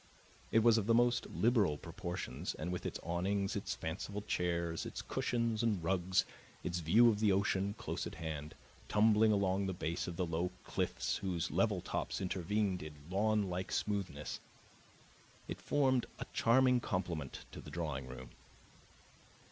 It was of the most liberal proportions, and with its awnings, its fanciful chairs, its cushions and rugs, its view of the ocean, close at hand, tumbling along the base of the low cliffs whose level tops intervened in lawnlike smoothness, it formed a charming complement to the drawing room.